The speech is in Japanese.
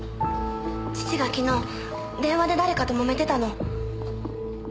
父がきのう電話で誰かともめてたのを。